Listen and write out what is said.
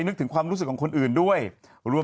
จังหรือเปล่าจังหรือเปล่า